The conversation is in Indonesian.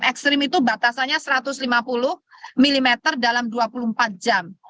ekstrim itu batasannya satu ratus lima puluh mm dalam dua puluh empat jam